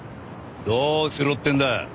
どうしろってんだ？